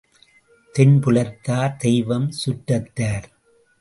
தென்புலத்தார், தெய்வம், சுற்றத்தார்.